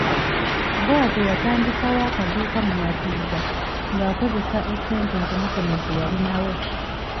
Bw’atyo yatandikawo akaduuka mu Matugga ng’akozesa essente entonotono ze yalinawo.